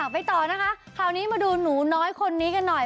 ไปต่อนะคะคราวนี้มาดูหนูน้อยคนนี้กันหน่อย